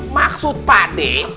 maksud pak dek